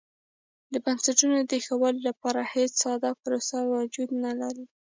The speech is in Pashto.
د بنسټونو د ښه والي لپاره هېڅ ساده پروسه وجود نه لري.